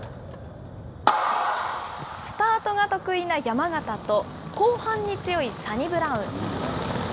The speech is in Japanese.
スタートが得意な山縣と、後半に強いサニブラウン。